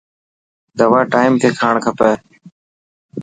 دوا ٽائيم تي کاڻ کپي.